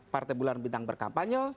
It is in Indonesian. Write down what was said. partai bulan bintang berkampanye